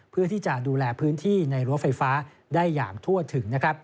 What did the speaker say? เพื่อที่จะดูแลพื้นที่ในรั้วไฟฟ้าได้อย่างทั่วถึง